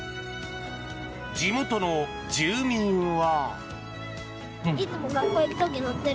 地元の住民は。